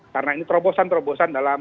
karena ini terobosan terobosan dalam